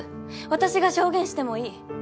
私が証言してもいい！